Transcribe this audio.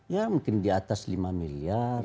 ya mungkin di atas lima miliar